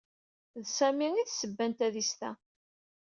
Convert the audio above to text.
D Sami ay d ssebba n tadist-a.